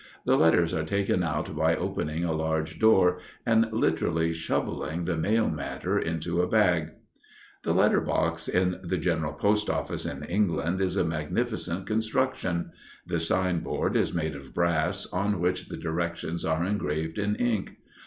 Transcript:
The letters are taken out by opening a large door and literally shoveling the mail matter into a bag. The letter box in the general post office in England is a magnificent construction. The sign board is made of brass, on which the directions are engraved in ink.